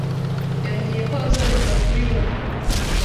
Yambwiye ko azongera kubibona.